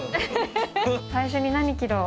最初に何切ろう？